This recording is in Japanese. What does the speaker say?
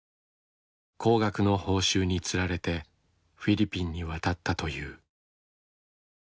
高額の報酬に釣られてフィリピンに渡ったという。